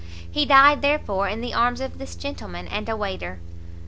He died, therefore, in the arms of this gentleman and a waiter.